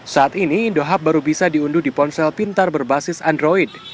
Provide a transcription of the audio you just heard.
saat ini indohub baru bisa diunduh di ponsel pintar berbasis android